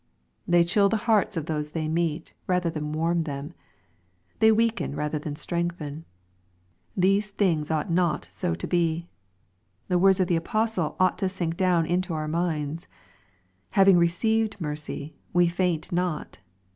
They chill the hearts of those they meet, rather than warm them. They weaken rather than strengthen. These things ought not 80 to be. The words of the apostle ought to sink down into our minds, " Having received mercy, we faint not.